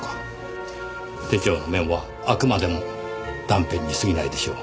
手帳のメモはあくまでも断片に過ぎないでしょう。